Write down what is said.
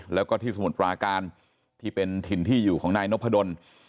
แล้วก็ที่สมุทรปราการที่เป็นถิ่นที่อยู่ของนายนพดล